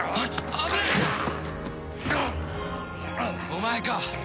お前か？